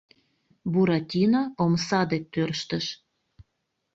Буратино омса дек тӧрштыш.